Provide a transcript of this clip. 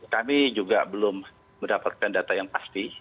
kami juga belum mendapatkan data yang pasti